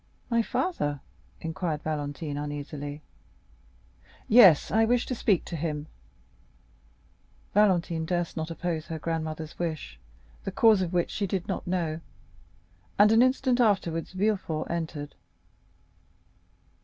"My father?" inquired Valentine, uneasily. "Yes, I wish to speak to him." Valentine durst not oppose her grandmother's wish, the cause of which she did not know, and an instant afterwards Villefort entered.